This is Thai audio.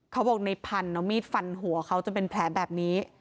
เขาบอกไนพัลเนอะมีดฟันหัวเขาจะเป็นแผนแบบนี้